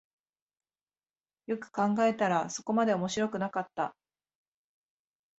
よく考えたらそこまで面白くなかった